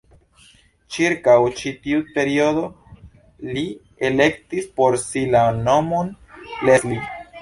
Ĉirkaŭ ĉi tiu periodo li elektis por si la nomon "Leslie".